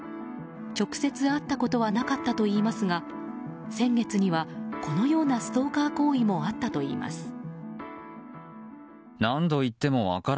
直接会ったことはなかったといいますが先月には、このようなストーカー行為もあったといいます。